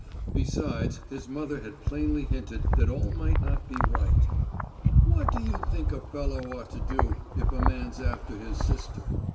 Besides his mother had plainly hinted that all might not be right. "What do you think a fellow ought to do if a man's after his sister?"